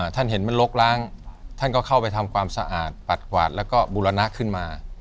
ท่านเห็นมันลกล้างท่านก็เข้าไปทำความสะอาดปัดกวาดแล้วก็บูรณะขึ้นมา